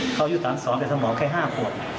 เขาอยู่ตามสองแต่สมองแค่ห้าคน